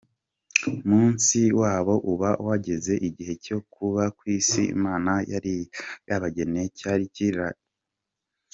numunsi wabo uba wageze igihe cyokuba kwisi imana yariyarabageneye cyarikirangiye ntakundi ntibagaruka.